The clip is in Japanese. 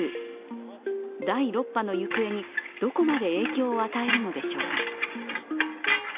第６波の行方にどこまで影響を与えるのでしょうか。